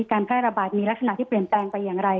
การแพร่ระบาดมีลักษณะที่เปลี่ยนแปลงไปอย่างไร